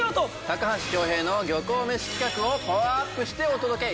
高橋恭平の漁港めし企画をパワーアップしてお届け！